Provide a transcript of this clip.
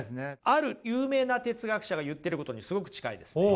ある有名な哲学者が言ってることにすごく近いですね。